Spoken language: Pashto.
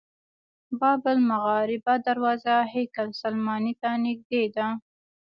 باب المغاربه دروازه هیکل سلیماني ته نږدې ده.